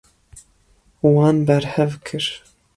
Wan berhev kir.